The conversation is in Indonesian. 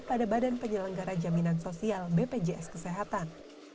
pada badan penyelenggara jaminan sosial bpjs kesehatan